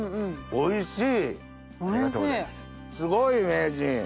おいしい？